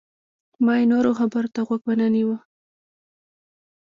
ما یې نورو خبرو ته غوږ ونه نیوه.